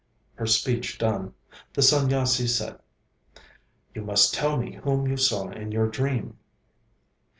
Her speech done, the Sanyasi said: 'You must tell me whom you saw in your dream.'